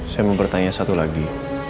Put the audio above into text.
saya mau bertanya satu lagi